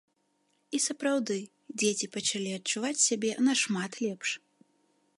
І сапраўды, дзеці пачалі адчуваць сябе нашмат лепш.